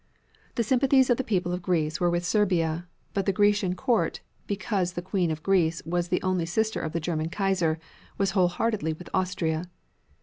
The sympathies of the people of Greece were with Serbia, but the Grecian Court, because the Queen of Greece was the only sister of the German Kaiser, was whole heartedly with Austria.